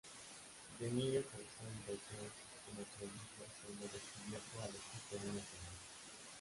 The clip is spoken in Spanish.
De niño causó impresión como prodigio siendo "descubierto", a los siete años de edad.